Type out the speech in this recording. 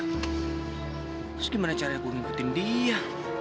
terus gimana cara aku ngikutin dia